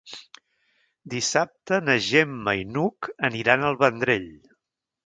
Dissabte na Gemma i n'Hug aniran al Vendrell.